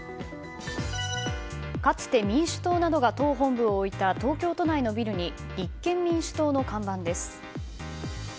かつて民主党などが党本部を置いた東京都内のビルに立憲民主党の看板です。